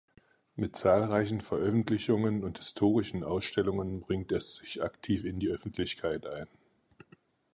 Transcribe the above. Mit zahlreichen Veröffentlichungen und historischen Ausstellungen bringt es sich aktiv in die Öffentlichkeit ein.